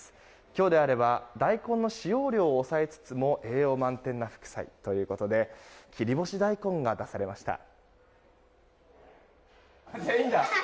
今日であれば大根の使用量を抑えつつも栄養満点な副菜ということで切り干し大根が出されました。